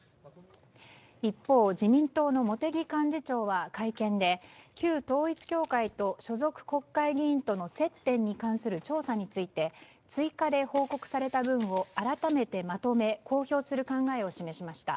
一方、自民党の茂木幹事長は会見で旧統一教会と所属国会議員との接点に関する調査について追加で報告された分を改めてまとめ公表する考えを示しました。